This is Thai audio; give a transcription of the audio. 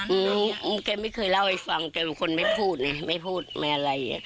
ถ้าเขาเป็นเขารู้ก็จะมาบอกแม่เลยว่ามีเรื่องอะไร